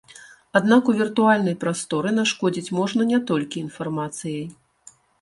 Аднак у віртуальнай прасторы нашкодзіць можна не толькі інфармацыяй.